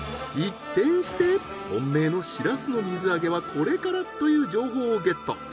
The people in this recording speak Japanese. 一転して本命のしらすの水揚げはこれからという情報をゲット。